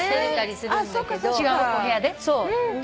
違うお部屋で？